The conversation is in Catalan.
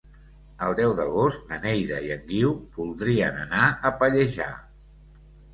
El deu d'agost na Neida i en Guiu voldrien anar a Pallejà.